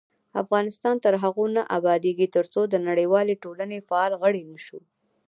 افغانستان تر هغو نه ابادیږي، ترڅو د نړیوالې ټولنې فعال غړي نشو.